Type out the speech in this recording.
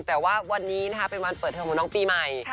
แต่ว่าวันนี้นะคะเป็นวันเปิดเทอมของน้องปีใหม่